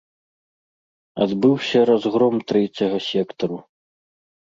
Адбыўся разгром трэцяга сектару.